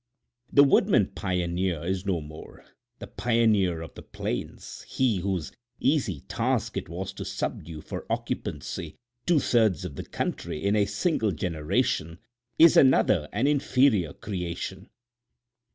The woodman pioneer is no more; the pioneer of the plains—he whose easy task it was to subdue for occupancy two thirds of the country in a single generation—is another and inferior creation.